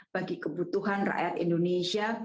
bagi kebutuhan rakyat indonesia